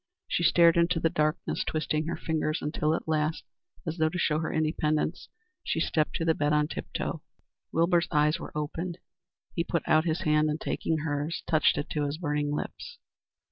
She stared into the darkness, twisting her fingers, until at last, as though to show her independence, she stepped to the bed on tip toe. Wilbur's eyes were open. He put out his hand, and, taking hers, touched it to his burning lips.